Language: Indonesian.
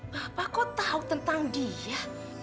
bapak kau tahu tentang dia